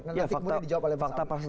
nanti kemudian dijawab oleh pak awin